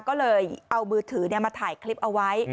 ก็เลยเอามือถือมาถ่ายคลิปเอาไว้